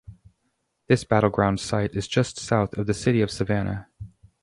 This battleground site is just south of the city of Savannah.